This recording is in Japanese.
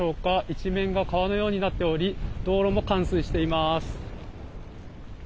一面が川のようになっており道路も冠水しています。